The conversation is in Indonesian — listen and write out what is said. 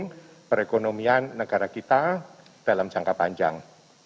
jadi perekonomian negara kita dalam jangka panjang